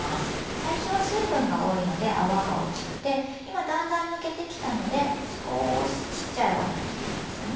最初は水分が多いので泡が大きくて今だんだん抜けてきたので少し小っちゃい泡になってきましたね。